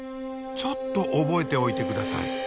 ちょっと覚えておいて下さい。